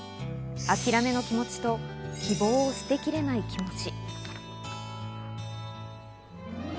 諦めの気持ちと希望を捨てきれない気持ち。